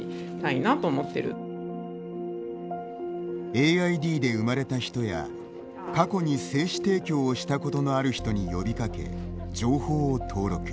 ＡＩＤで生まれた人や過去に精子提供をしたことのある人に呼びかけ、情報を登録。